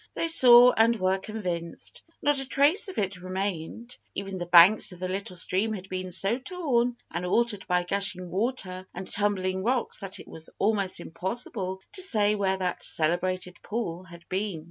They saw and were convinced. Not a trace of it remained. Even the banks of the little stream had been so torn and altered by gushing water and tumbling rocks that it was almost impossible to say where that celebrated pool had been.